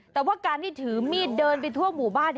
แต่ว่าการที่ถือมีดเดินไปทั่วหมู่บ้าน